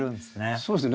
そうですね。